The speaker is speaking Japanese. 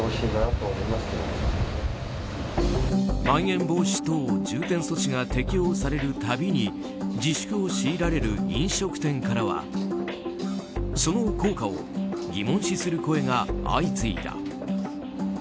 まん延防止等重点措置が適用される度に自粛を強いられる飲食店からはその効果を疑問視する声が相次いだ。